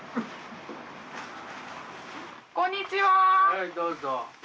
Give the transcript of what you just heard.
はいどうぞ。